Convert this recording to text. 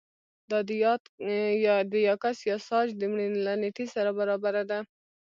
دا د یاکس یاساج د مړینې له نېټې سره برابره ده